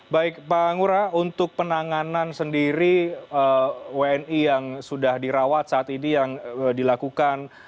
baik pak ngura untuk penanganan sendiri wni yang sudah dirawat saat ini yang dilakukan